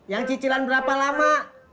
yang cicilan berapa lama